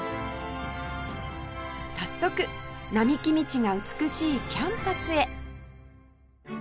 早速並木道が美しいキャンパスへ